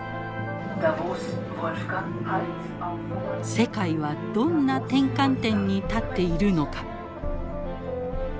世界はどんな転換点に立っているのか。